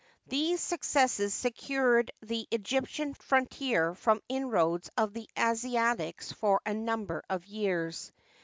These successes secured the Egyptian frontier from inroads of the Asiatics for a num ber of years.